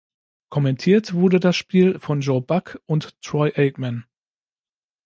Kommentiert wurde das Spiel von Joe Buck und Troy Aikman.